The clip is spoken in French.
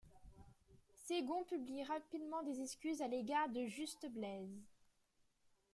Saigon publie rapidement des excuses à l'égard de Just Blaze.